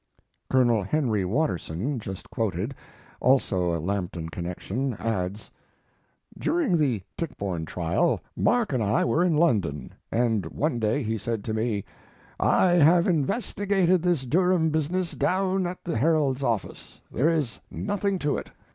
Colonel Henry Watterson, just quoted (also a Lampton connection), adds: During the Tichborne trial Mark and I were in London, and one day he said to me: "I have investigated this Durham business down at the Herald's office. There is nothing to it.